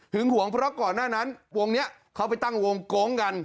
ห่วงเพราะก่อนหน้านั้นวงนี้เขาไปตั้งวงโก๊งกัน